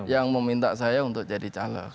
yang meminta saya untuk jadi caleg